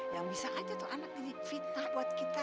yang bisa aja tuh anak jadi fitnah buat kita